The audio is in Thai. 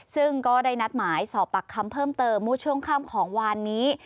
ซึ่งก็ได้นัดหมายสอบปากคำเพิ่มเติมเมื่อช่วงค่ำของวานนี้